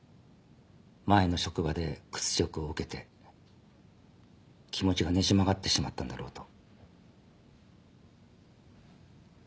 前の職場で屈辱を受けて気持ちがねじ曲がってしまったんだろうと。